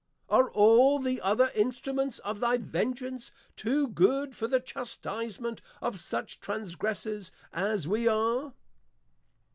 Are all the other Instruments of thy Vengeance, too good for the chastisement of such transgressors as we are?